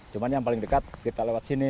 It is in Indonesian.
cuma yang paling dekat kita lewat sini